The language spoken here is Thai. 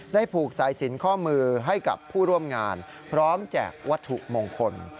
ผูกสายสินข้อมือให้กับผู้ร่วมงานพร้อมแจกวัตถุมงคล